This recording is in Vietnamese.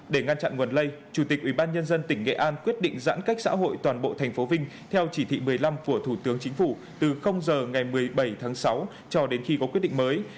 để ngăn chặn nguồn lây chủ tịch ubnd tỉnh nghệ an quyết định giãn cách xã hội toàn bộ tp vinh theo chỉ thị một mươi năm của thủ tướng chính phủ từ giờ ngày một mươi bảy tháng sáu cho đến khi có quyết định mới